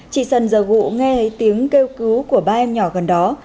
chị sân giờ vụ nghe tiếng kêu cứu của ba em nhỏ gần đó